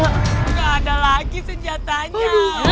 gak ada lagi senjatanya